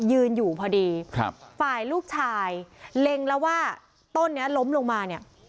ยืนอยู่พอดีครับฝ่ายลูกชายเล็งแล้วว่าต้นนี้ล้มลงมาเนี่ย